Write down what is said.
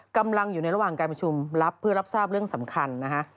กำลังอยู่ในระหว่างการประชุมรับเพื่อรับทราบเรื่องสำคัญนะฮะ